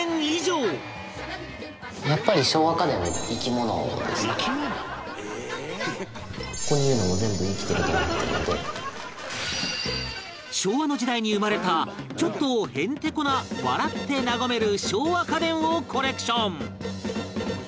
所有する昭和の時代に生まれたちょっとへんてこな笑って和める笑和家電をコレクション